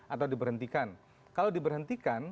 atau diberhentikan kalau diberhentikan